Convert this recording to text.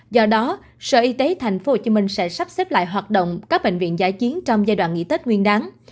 do đó sở y tế tp hcm sẽ sắp xếp lại hoạt động các bệnh viện giải chiến trong giai đoạn nghỉ tết nguyên đáng